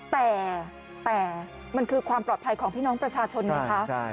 แต่มันคือความปลอดภัยของพี่น้องประชาชนไงคะ